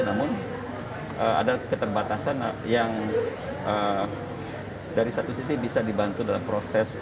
namun ada keterbatasan yang dari satu sisi bisa dibantu dalam proses